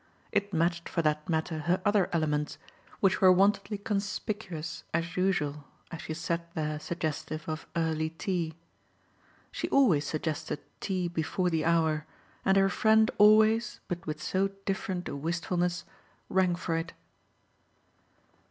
It matched for that matter her other elements, which were wontedly conspicuous as usual as she sat there suggestive of early tea. She always suggested tea before the hour, and her friend always, but with so different a wistfulness, rang for it.